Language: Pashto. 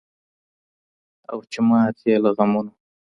او چي مات یې له غمونو